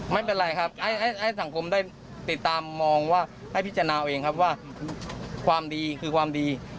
ไม่เป็นไรครับให้สังคมได้ติดตามมองว่าให้พิจารณาเองครับว่าความดีคือความดี